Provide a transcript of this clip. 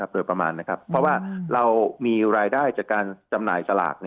โดยประมาณเพราะว่าเรามีรายได้จากการจำหน่ายสลาก